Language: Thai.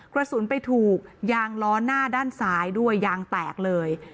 กระสุนไปถูกยางล้อหน้าด้านซ้ายด้วยยางแตกเลย